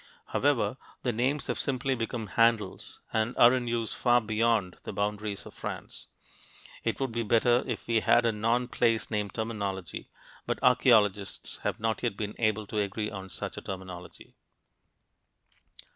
However, the names have simply become handles and are in use far beyond the boundaries of France. It would be better if we had a non place name terminology, but archeologists have not yet been able to agree on such a terminology.